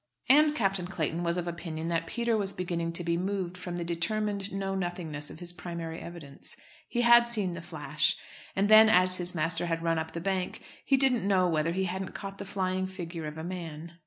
And Captain Clayton was of opinion that Peter was beginning to be moved from the determined know nothingness of his primary evidence. He had seen the flash. And then, as his master had run up the bank, he didn't know whether he hadn't caught the flying figure of a man.